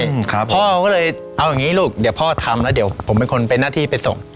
อืมครับพ่อก็เลยเอาอย่างงี้ลูกเดี๋ยวพ่อทำแล้วเดี๋ยวผมเป็นคนเป็นหน้าที่ไปส่ง